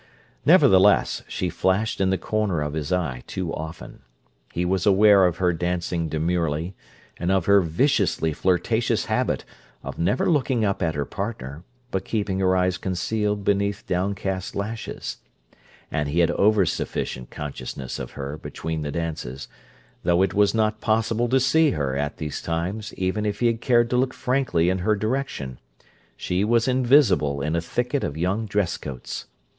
Nevertheless, she flashed in the corner of his eye too often. He was aware of her dancing demurely, and of her viciously flirtatious habit of never looking up at her partner, but keeping her eyes concealed beneath downcast lashes; and he had over sufficient consciousness of her between the dances, though it was not possible to see her at these times, even if he had cared to look frankly in her direction—she was invisible in a thicket of young dresscoats.